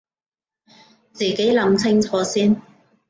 自己諗清楚先